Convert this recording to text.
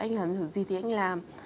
anh làm được gì thì anh làm